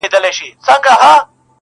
شپونکی چي نه سي ږغولای له شپېلۍ سندري.!